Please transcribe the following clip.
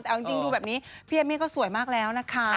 แต่เอาจริงดูแบบนี้พี่เอมมี่ก็สวยมากแล้วนะคะ